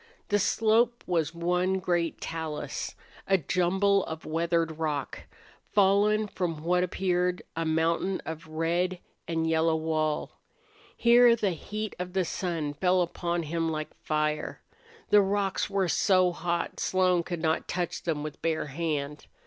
The slope was one great talus, a jumble of weathered rock, fallen from what appeared a mountain of red and yellow wall. Here the heat of the sun fell upon him like fire. The rocks were so hot Slone could not touch them with bare hand.